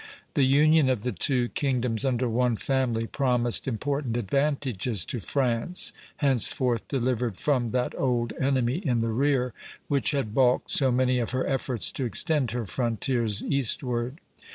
The union of the two kingdoms under one family promised important advantages to France, henceforth delivered from that old enemy in the rear, which had balked so many of her efforts to extend her frontiers eastward.